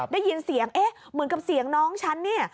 ได้ยินเสียงเอ๊ะเหมือนกับเสียงน้องฉันเนี่ย